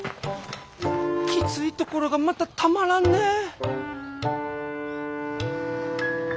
きついところがまたたまらんねぇ。